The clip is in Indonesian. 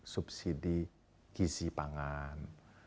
subsidi gizi pangan